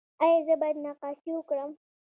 ایا زه باید نقاشي وکړم؟